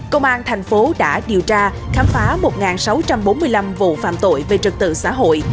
công an thành phố đã điều tra khám phá một sáu trăm bốn mươi năm vụ phạm tội về trật tự xã hội